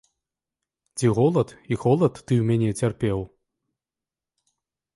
Ці голад і холад ты ў мяне цярпеў?